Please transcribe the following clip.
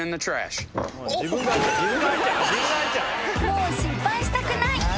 ［もう失敗したくない］